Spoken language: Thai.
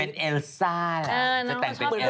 เป็นเอลซ่าเหรอจะแต่งเป็นเอลซ่าเหมือนเขาชอบเป็นเอลซ่า